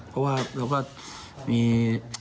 เพราะว่าเราก็มี